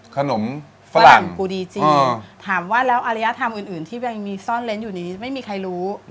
ขนมฝรั่งกูดีจริงถามว่าแล้วอรยธรรมอื่นที่ยังมีซ่อนเล้นอยู่นี้ไม่มีใครรู้